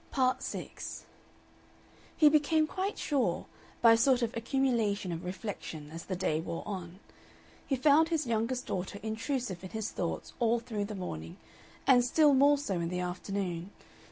Part 6 He became quite sure, by a sort of accumulation of reflection, as the day wore on. He found his youngest daughter intrusive in his thoughts all through the morning, and still more so in the afternoon.